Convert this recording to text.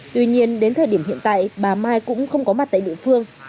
tuy nhiên đến thời điểm hiện tại bà mai cũng không có mặt tại địa phương